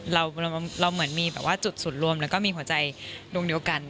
เราเหมือนมีแบบว่าจุดศูนย์รวมแล้วก็มีหัวใจดวงเดียวกัน